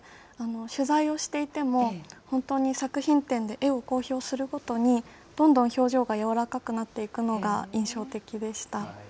取材をしていても、本当に作品展で絵を公表するごとに、どんどん表情が柔らかくなっていくのが印象的でした。